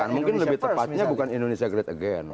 mungkin lebih tepatnya bukan indonesia great again